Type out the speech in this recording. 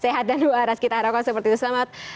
sehat dan luar raskit aroko seperti itu selamat